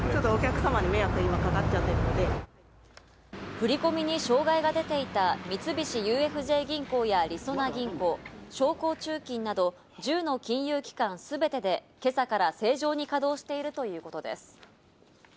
振り込みに障害が出ていた三菱ＵＦＪ銀行やりそな銀行、商工中金など１０の金融機関全てで、今朝から正常に稼働しているということです。